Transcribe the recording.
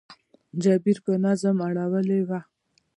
جبیر په نظم اړولې وه.